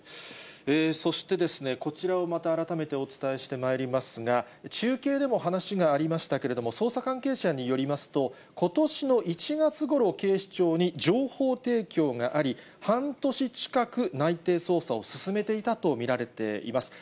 そして、こちらをまた改めてお伝えしてまいりますが、中継でも話がありましたけれども、捜査関係者によりますと、ことしの１月ごろ、警視庁に情報提供があり、半年近く内偵捜査を進めていたと見られています。